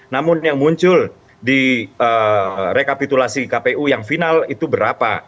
namun yang muncul di rekapitulasi kpu yang final itu berapa